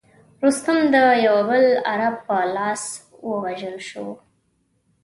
رستم د یوه بل عرب په لاس ووژل شو.